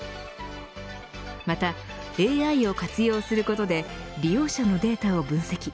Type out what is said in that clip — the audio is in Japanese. また、ＡＩを活用することで利用者のデータを分析。